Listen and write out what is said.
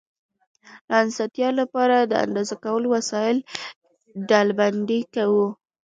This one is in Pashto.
د اسانتیا له پاره، د اندازه کولو وسایل ډلبندي کوو.